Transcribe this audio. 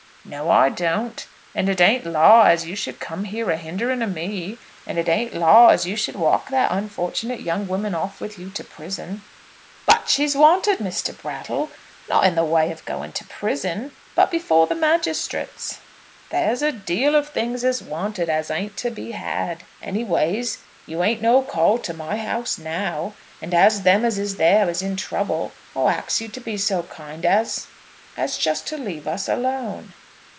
"No, I don't. And it ain't law as you should come here a hindering o' me; and it ain't law as you should walk that unfortunate young woman off with you to prison." "But she's wanted, Mr. Brattle; not in the way of going to prison, but before the magistrates." "There's a deal of things is wanted as ain't to be had. Anyways, you ain't no call to my house now, and as them as is there is in trouble, I'll ax you to be so kind as as just to leave us alone."